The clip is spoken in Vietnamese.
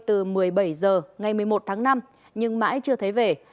từ một mươi bảy h ngày một mươi một tháng năm nhưng mãi chưa thấy về